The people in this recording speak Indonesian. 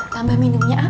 tambah minumnya ah